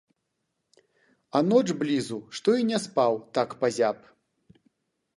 А ноч блізу што і не спаў так пазяб.